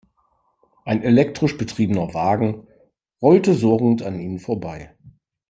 Ein elektrisch betriebener Wagen rollte surrend an ihnen vorbei.